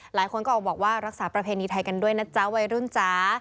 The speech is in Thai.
หลายคนก็ออกบอกว่ารักษาประเพณีไทยกันด้วยนะจ๊ะวัยรุ่นจ๋า